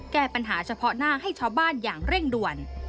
แก้ปัญหาเฉพาะหน้าให้ชาวบ้านอย่างเร่งด่วน